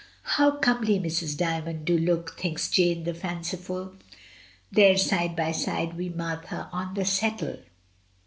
"How comely Mrs. Dymond du look," thinks Jane the fanciful, "there side by side wi' Martha on the settle."